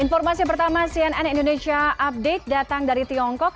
informasi pertama cnn indonesia update datang dari tiongkok